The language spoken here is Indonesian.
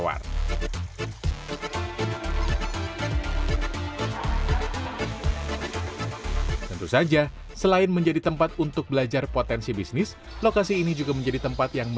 aku pake tempat tempat sekarang